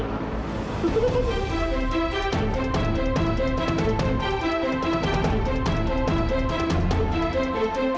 eh papi udah pulang